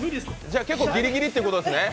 じゃ結構、ギリギリってことですね？